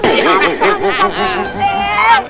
bisa bisa berbunceng